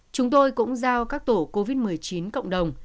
chúng tôi cũng giao các tổ covid một mươi chín